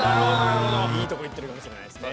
いいとこ行ってるかもしれないですね。